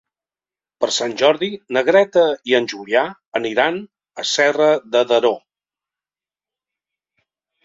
Per Sant Jordi na Greta i en Julià aniran a Serra de Daró.